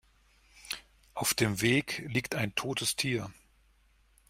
Auf dem Weg liegt ein totes Tier.